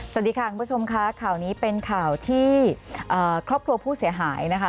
สวัสดีค่ะคุณผู้ชมค่ะข่าวนี้เป็นข่าวที่ครอบครัวผู้เสียหายนะคะ